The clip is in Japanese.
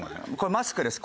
マスクです。